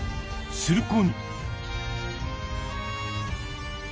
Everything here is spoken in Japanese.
すると！